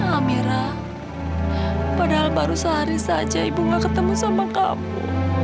lamira padahal baru sehari saja ibu gak ketemu sama kamu